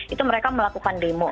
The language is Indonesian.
itu mereka melakukan demo